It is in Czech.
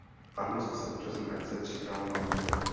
Farnost se účastní akce Tříkrálová sbírka.